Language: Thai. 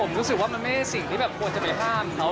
คือผมรู้สึกว่ามันไม่ได้สิ่งที่ควรจะไปห้ามเขา